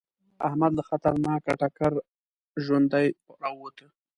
احمد له خطرناک ټکره ژوندی راووته.